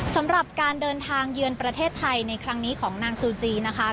สำหรับการเดินทางเยือนประเทศไทยในครั้งนี้ของนางซูจีนะคะ